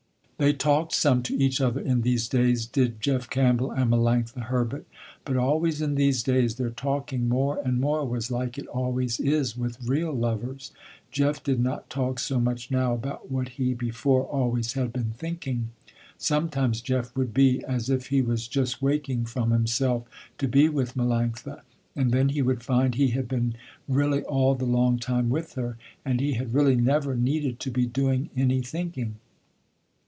They talked some to each other in these days, did Jeff Campbell and Melanctha Herbert, but always in these days their talking more and more was like it always is with real lovers. Jeff did not talk so much now about what he before always had been thinking. Sometimes Jeff would be, as if he was just waking from himself to be with Melanctha, and then he would find he had been really all the long time with her, and he had really never needed to be doing any thinking.